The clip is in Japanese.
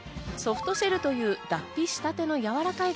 ソフトシェルという脱皮したてのやわらかい